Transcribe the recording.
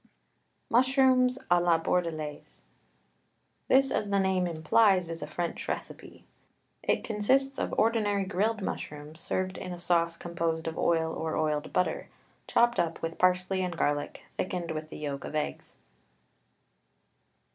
MUSHROOMS A LA BORDELAISE. This, as the name implies, is a French recipe. It consists of ordinary grilled mushrooms, served in a sauce composed of oil or oiled butter, chopped up with parsley and garlic, thickened with the yolks of eggs.